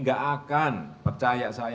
enggak akan percaya saya